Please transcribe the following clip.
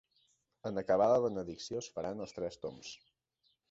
En acabar la benedicció es faran els Tres Tombs.